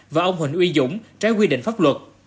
và ông huỳnh uy dũng trái quy định pháp luật